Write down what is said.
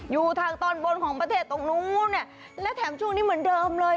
อยู่ทางตอนบนของประเทศตรงนู้นเนี่ยและแถมช่วงนี้เหมือนเดิมเลย